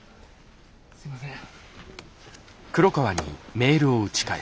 すいません。